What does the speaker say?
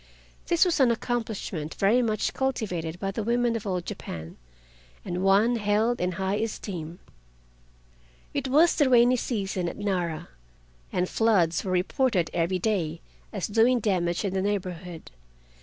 This was an accomplishment very much cultivated by the women of old Japan and one held in high esteem. It was the rainy season at Nara, and floods were reported every day as doing damage in the neighborhood.